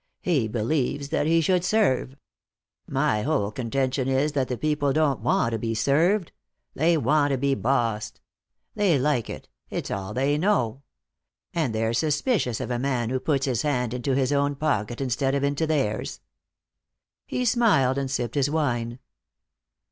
He believes that he should serve. My whole contention is that the people don't want to be served. They want to be bossed. They like it; it's all they know. And they're suspicious of a man who puts his hand into his own pocket instead of into theirs." He smiled and sipped his wine.